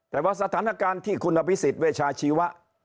แต่ว่าสถานการณ์ที่คุณอภิษฎเวชาชีวะ